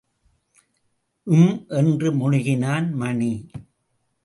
ம் என்று முனகினான் மணி.